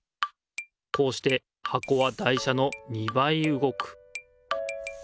こうしてはこは台車の２ばいうごく。